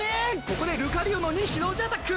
こでルカリオの２匹同時アタック！